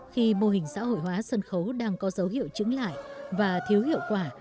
khi mô hình xã hội hóa sân khấu đang có dấu hiệu chứng lại và thiếu hiệu quả